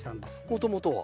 もともとは？